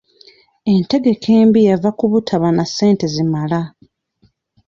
Entegeka embi yava ku butaba na ssente zimala.